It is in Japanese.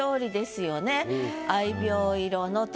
「愛猫色の」と。